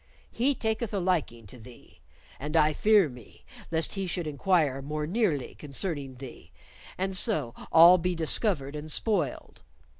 He taketh a liking to thee, and I fear me lest he should inquire more nearly concerning thee and so all be discovered and spoiled.